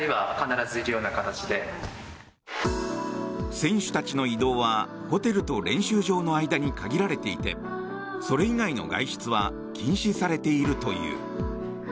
選手たちの移動はホテルと練習場の間に限られていてそれ以外の外出は禁止されているという。